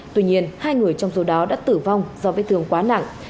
tuy nhiên hai người trong số đó đã tử vong do vết thương quá nặng